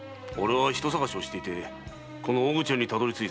人捜しをしていてこの大口屋にたどりついたのだ。